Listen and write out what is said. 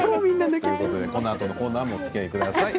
このあとのコーナーもおつきあいください。